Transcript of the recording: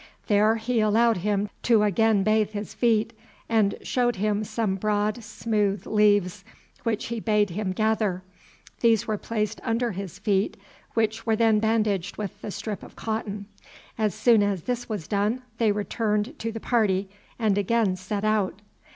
There he allowed him to again bathe his feet, and showed him some broad smooth leaves which he bade him gather; these were placed under his feet, which were then bandaged with the strip of cotton. As soon as this was done they returned to the party, and again set out.